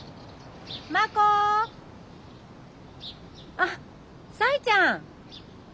あっさいちゃん。